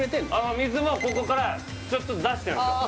水もここからちょっとずつ出してるんですよああ